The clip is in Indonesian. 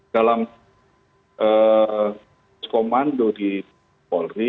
dalam komando di polri